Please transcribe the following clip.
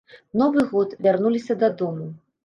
Новы год, вярнуліся дадому.